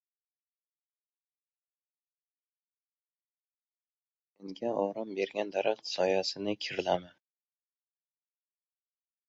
• Senga orom bergan daraxt soyasini kirlama.